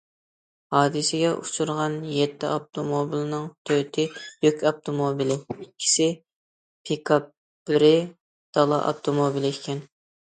ھادىسىگە ئۇچرىغان يەتتە ئاپتوموبىلنىڭ تۆتى يۈك ئاپتوموبىلى، ئىككىسى پىكاپ، بىرى دالا ئاپتوموبىلى ئىكەن.